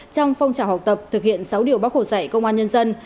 trong phong trào học tập thực hiện sáu điều bác khổ dậy công an nhân dân